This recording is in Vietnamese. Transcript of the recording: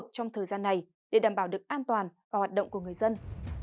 trong thời gian này để đảm bảo được an toàn và hoạt động của người dân